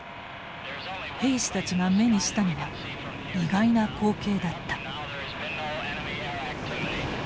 兵士たちが目にしたのは意外な光景だった。